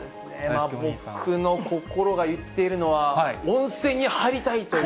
僕の心が言っているのは、温泉に入りたいという。